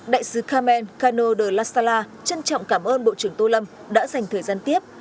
đại sứ carmen cano de la sala trân trọng cảm ơn bộ trưởng tô lâm đã dành thời gian tiếp